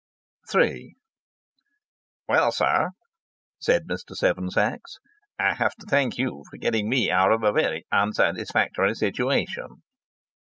III "Well, sir," said Mr. Seven Sachs, "I have to thank you for getting me out of a very unsatisfactory situation."